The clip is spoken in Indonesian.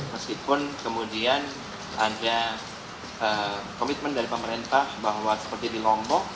meskipun kemudian ada komitmen dari pemerintah bahwa seperti di lombok